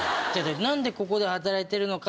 何でここで働いてるのか？